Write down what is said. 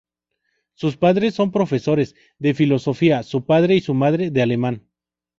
Sus padres son profesores, de filosofía su padre y su madre de alemán.